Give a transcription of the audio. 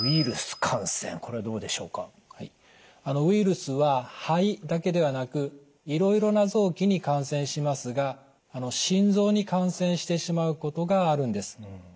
ウイルスは肺だけではなくいろいろな臓器に感染しますが心臓に感染してしまうことがあるんです。